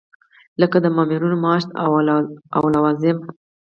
لکه د مامورینو معاشات او لوازم.